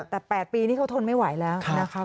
แต่๘ปีนี่เขาทนไม่ไหวแล้วนะครับ